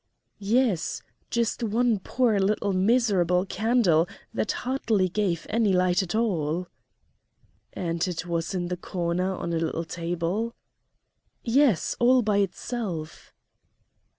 "Yes, just one poor little miserable candle that hardly gave any light at all." "And it was in the corner on a little table?" "Yes, all by itself."